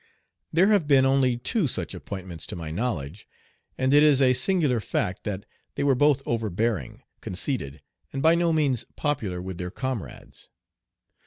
There have been only two such appointments to my knowledge, and it is a singular fact that they were both overbearing, conceited, and by no means popular with their comrades.